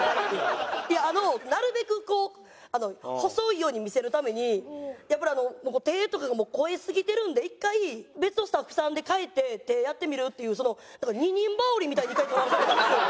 いやあのなるべくこう細いように見せるためにやっぱり手とかが肥えすぎてるんで一回別のスタッフさんで変えて手やってみる？っていう二人羽織みたいに一回撮られたんですよ。